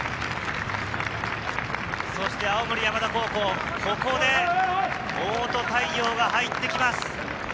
そして青森山田高校、ここで、大戸太陽が入ってきます。